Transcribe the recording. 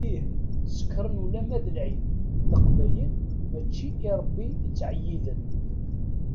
Ih, sekkṛen ulamma d lεid, Leqbayel mačči i Rebbi i ttεeyyiden.